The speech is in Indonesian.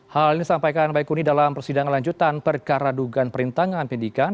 hal ini sampaikan baikuni dalam persidangan lanjutan perkara dugaan perintangan pendidikan